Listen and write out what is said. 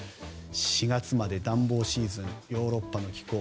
４月まで暖房シーズンのヨーロッパの気候。